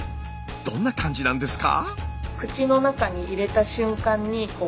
どんな感じなんですか？